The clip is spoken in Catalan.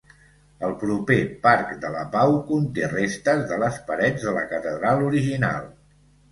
El proper Parc de la Pau conté restes de les parets de la catedral original.